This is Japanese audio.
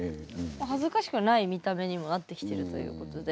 恥ずかしくない見た目にもなってきてるということで。